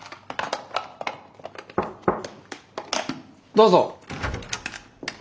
どうぞ。